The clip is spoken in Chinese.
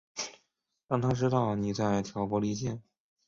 让他知道妳在挑拨离间